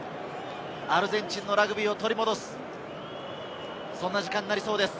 アルゼンチンのラグビーを取り戻す、そんな時間になりそうです。